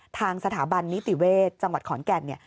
ทางสถาบันนิติเวชจังหวัดขอนแก่น